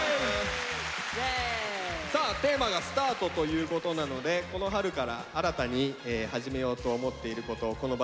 さあテーマが「ＳＴＡＲＴ」ということなのでこの春から新たに始めようと思っていることをこの場でね